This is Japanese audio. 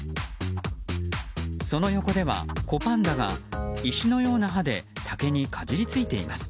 その横では子パンダが石のような歯で竹にかじりついています。